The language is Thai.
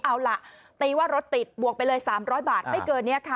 เอาล่ะตีว่ารถติดบวกไปเลย๓๐๐บาทไม่เกินนี้ค่ะ